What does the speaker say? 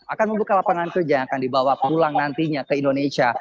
akan membuka lapangan kerja yang akan dibawa pulang nantinya ke indonesia